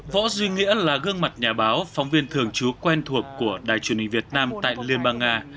võ duy nghĩa là gương mặt nhà báo phóng viên thường trú quen thuộc của đài truyền hình việt nam tại liên bang nga